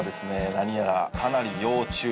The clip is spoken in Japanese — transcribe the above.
何やらかなり要注意案件